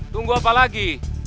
tunggu apa lagi